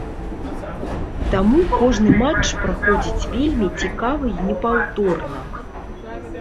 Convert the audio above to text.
Таму кожны матч праходзіць вельмі цікава і непаўторна.